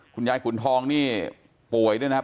คุณยายขุนทองนี่ป่วยด้วยนะครับ